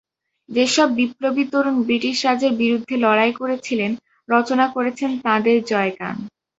যেসব বিপ্লবী তরুণ ব্রিটিশরাজের বিরুদ্ধে লড়াই করেছিলেন, রচনা করেছেন তাঁদের জয়গান।